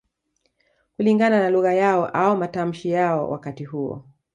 Kulingana na lugha yao au matamshi yao wakati huo